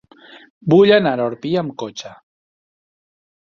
Vull anar a Orpí amb cotxe.